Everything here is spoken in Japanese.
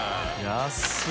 安い。